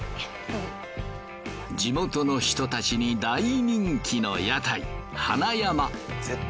地元の人たちに大人気の屋台花山。